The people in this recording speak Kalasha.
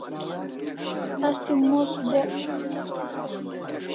Asi mos dyek